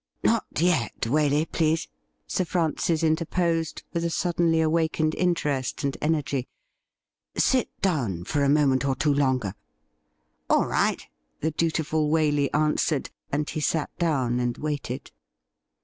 'Not yet, Waley, please,' Sir Francis interposed, with a suddenly awakened interest and energy. ' Sit down for a moment or two longer.' 'All right,' the dutiful Waley answered, and he sat down and waited.